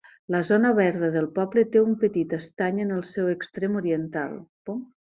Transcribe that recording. La zona verda del poble té un petit estany en el seu extrem oriental.